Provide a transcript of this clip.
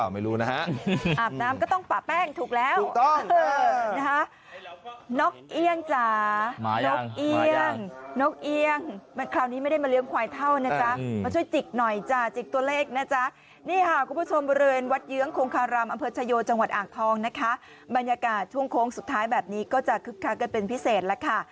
บรรยากาศช่วงโค้งสุดท้ายแบบนี้ก็จะคึกคักกันเป็นพิเศษแล้วค่ะ